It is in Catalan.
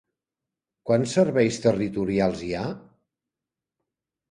Quants serveis territorials hi ha?